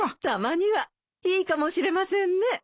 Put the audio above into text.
たまにはいいかもしれませんね。